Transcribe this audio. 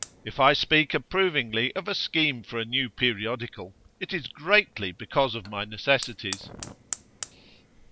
If I speak approvingly of a scheme for a new periodical, it is greatly because of my necessities.